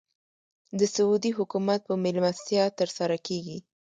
د سعودي حکومت په مېلمستیا تر سره کېږي.